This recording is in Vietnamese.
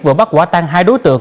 vừa bắt quả tăng hai đối tượng